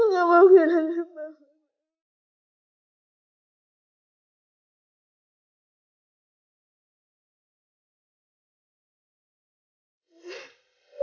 aku gak mau kehilangan bapak